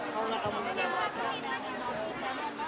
จะถามเรื่องอะไรก่อนนะ